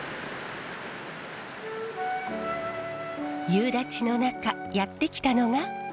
夕立の中やって来たのが。